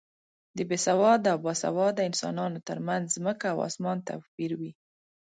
د بې سواده او با سواده انسانو تر منځ ځمکه او اسمان توپیر وي.